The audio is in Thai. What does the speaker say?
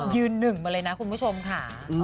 ยืนหนึ่งมาเลยนะคุณผู้ชมค่ะ